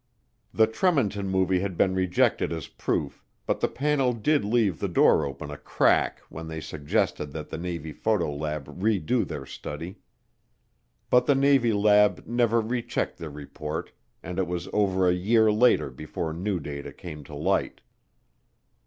The Tremonton Movie had been rejected as proof but the panel did leave the door open a crack when they suggested that the Navy photo lab redo their study. But the Navy lab never rechecked their report, and it was over a year later before new data came to light.